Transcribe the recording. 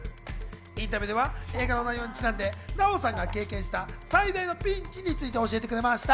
インタビューでは映画の内容にちなんで、奈緒さんが経験した最大のピンチについて話してくれました。